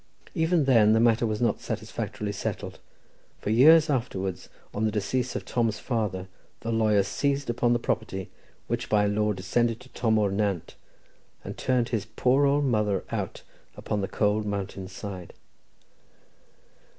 Even then the matter was not satisfactorily settled, for, years afterwards, on the decease of Tom's father, the lawyer seized upon the property, which by law descended to Tom O'r Nant, and turned his poor old mother out upon the cold mountain side.